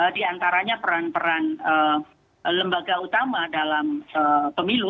di antaranya peran peran lembaga utama dalam pemilu